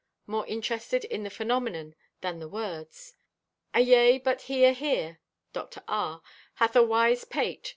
(More interested in the phenomenon than the words.) Ayea, but he ahere (Dr. R.) hath a wise pate.